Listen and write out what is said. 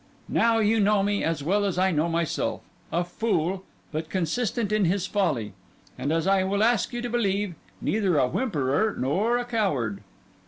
Now you know me as well as I know myself: a fool, but consistent in his folly; and, as I will ask you to believe, neither a whimperer nor a coward."